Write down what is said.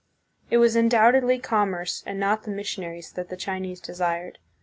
It was undoubtedly commerce and not the mission aries that the Chinese desired.